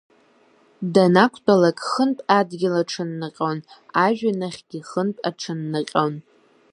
Данақәтәалакь хынтә адгьыл аҽаннаҟьон, ажәҩан ахьгьы хынтә аҽаннаҟьон.